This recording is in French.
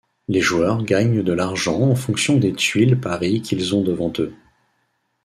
Les joueurs gagnent de l'argent en fonction des tuiles pari qu'ils ont devant eux.